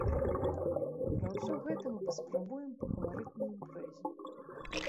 Пра ўсё гэта мы паспрабуем пагаварыць на імпрэзе.